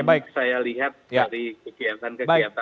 itu yang saya lihat dari kegiatan kegiatan saya